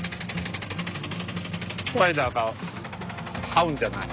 スパイダーがはうんじゃない？